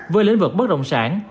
với lĩnh vực bất động sản